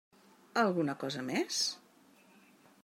Alguna cosa més?